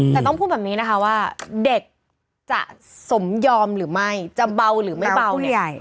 แต่ต้องพูดแบบนี้นะคะว่าเด็กจะสมยอมหรือไม่จะเบาหรือไม่เบาผู้ใหญ่